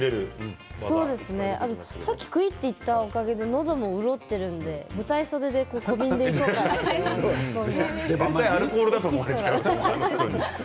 さっきくいっといったおかげでのども潤っているので舞台袖で小瓶でいこうかなと思いました。